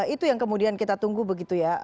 itu yang kemudian kita tunggu begitu ya